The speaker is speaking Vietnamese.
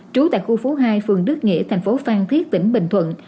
trú tại khu phố hai phương đức nghĩa thành phố phàng thiết tỉnh bình thuận